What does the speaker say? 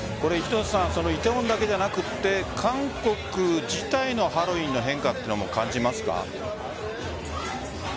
梨泰院だけじゃなくって韓国自体のハロウィーンの変化というのも感じますか？